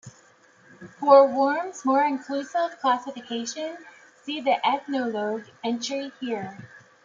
For Wurm's more inclusive classification, see the Ethnologue entry here.